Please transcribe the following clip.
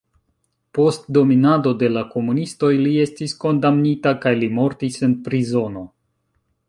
Post dominado de la komunistoj li estis kondamnita kaj li mortis en prizono.